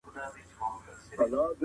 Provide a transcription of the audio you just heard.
دا څېړنه به تر بلي هري څېړني پخه وي.